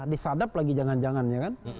disadap lagi jangan jangan ya kan